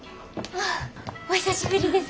お久しぶりです。